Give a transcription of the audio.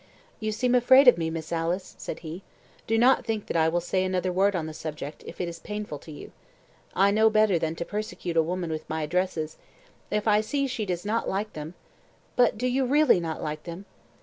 "You seem afraid of me, Miss Alice," said he. "Do not think that I will say another word on the subject, if it is painful to you. I know better than to persecute a woman with my addresses, if I see she does not like them. But do you REALLY not like them?"